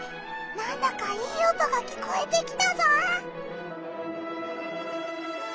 なんだかいい音が聞こえてきたぞ！